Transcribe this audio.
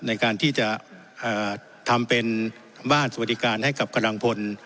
ในการที่จะทำเป็นบ้านสวัสดิการให้กับกำลังพล